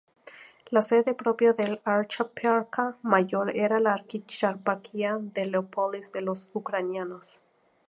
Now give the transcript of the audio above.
La sede propia del archieparca mayor era la archieparquía de Leópolis de los ucranianos.